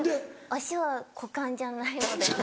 脚は股間じゃないので。